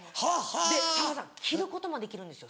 でさんまさん着ることもできるんですよ